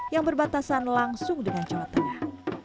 yang berbatasan langsung dengan jawa tengah